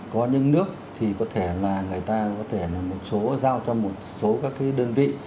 có những nước thì có thể là người ta có thể là một số giao cho một số các đơn vị